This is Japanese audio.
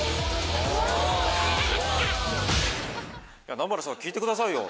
南原さん聞いてくださいよ！